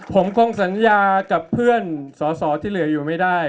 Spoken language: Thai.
ผมคงสัญญากับเพื่อนสอสอที่เหลืออยู่ไม่ได้